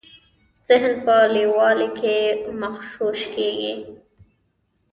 ذهن په لویوالي کي مغشوش کیږي.